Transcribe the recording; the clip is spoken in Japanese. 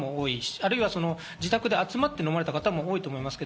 あるいは自宅で集まって飲まれた方も多いと思いますし。